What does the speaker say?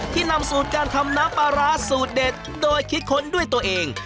นำสูตรการทำน้ำปลาร้าสูตรเด็ดโดยคิดค้นด้วยตัวเอง